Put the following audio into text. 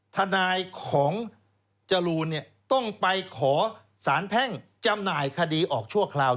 ทนายของจรูนต้องไปขอสารแพ่งจำหน่ายคดีออกชั่วคราว